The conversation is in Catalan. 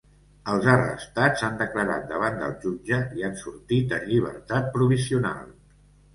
Els arrestats han declarat davant del jutge i han sortit en llibertat provisional.